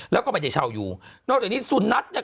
แล้วก็ไม่ได้เช่าอยู่นอกจากนี้สุนัขเนี่ย